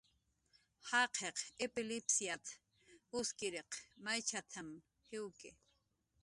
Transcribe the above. "Jaqiq ipilipsiat"" uskiriq maychat""mn jiwki "